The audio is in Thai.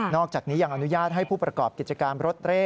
อกจากนี้ยังอนุญาตให้ผู้ประกอบกิจการรถเร่